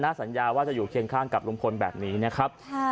สัญญาว่าจะอยู่เคียงข้างกับลุงพลแบบนี้นะครับ